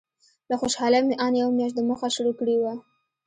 له خوشالۍ مې ان یوه میاشت دمخه شروع کړې وه.